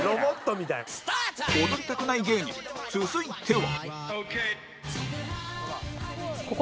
踊りたくない芸人続いては